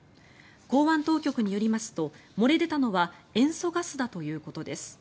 港湾当局によりますと漏れ出たのは塩素ガスだということです。